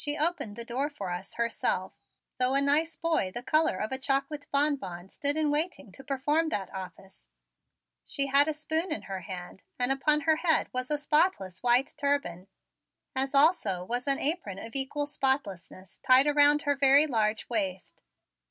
She opened the door for us herself, though a nice boy the color of a chocolate bonbon stood in waiting to perform that office. She had a spoon in her hand and upon her head was a spotless white turban, as also was an apron of an equal spotlessness tied around her very large waist.